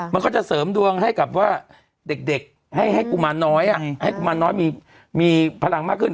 มันก็จะเสริมดวงให้กับว่าเด็กให้กุมารน้อยให้กุมารน้อยมีพลังมากขึ้น